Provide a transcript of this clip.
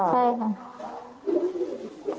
ใช่ค่ะ